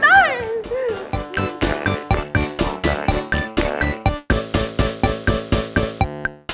โปรดติดตามตอนต่อไป